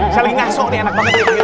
seling asok nih enak banget ya